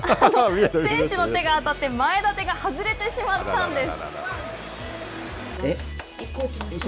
選手の手が当たって前立てが外れてしまったんです。